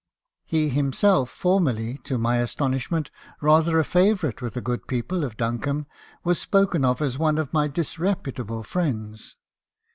He himself, formerly, to my astonish ment, rather a favourite with the good people of Duncombe, was spoken of as one of my disreputable friends.